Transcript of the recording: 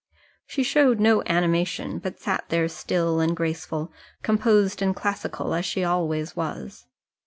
She showed no animation, but sat there still and graceful, composed and classical, as she always was.